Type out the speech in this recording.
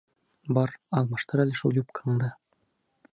Бар, алмаштыр әле шул юбкаңды!